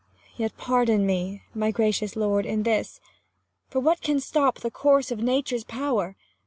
Yet pardon me, my gracious lord, in this : For what can stop the course of Nature's power